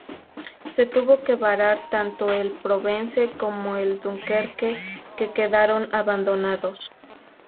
Se tuvo que varar tanto el "Provence" como el "Dunkerque", que quedaron abandonados.